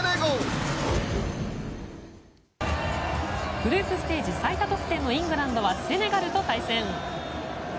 グループステージ最多得点のイングランドはセネガルと対戦。